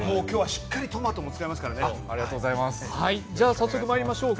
早速、まいりましょう。